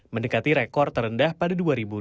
mendekati rekor terendah pada dua ribu dua puluh